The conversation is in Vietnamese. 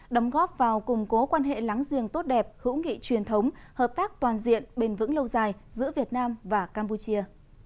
đóng góp vào củng cố quan hệ láng giềng tốt đẹp hữu nghị truyền thống hợp tác toàn diện bền vững lâu dài giữa việt nam và campuchia